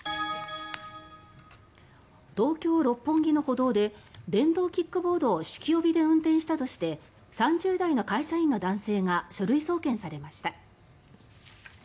東京・六本木の歩道で電動キックボードを酒気帯びで運転したとして３０代の会社員の男性が書類送検されました。